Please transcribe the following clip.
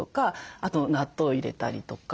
あと納豆を入れたりとか。